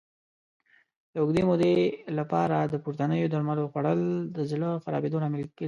د اوږدې مودې لپاره د پورتنیو درملو خوړل د زړه خرابېدو لامل ګرځي.